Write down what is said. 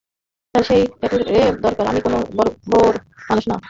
তার সেই ট্যাটুর দরকার, আমি কোন বর্বর মানুষ না।